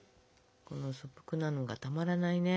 この素朴なのがたまらないね。